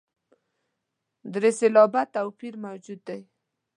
درې سېلابه توپیر موجود دی.